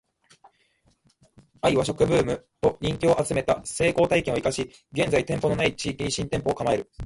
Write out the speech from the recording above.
ⅰ 和食ブームと人気を集めた成功体験を活かし現在店舗の無い地域に新店舗を構える